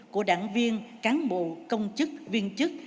của đảng viên cán bộ công chức viên chức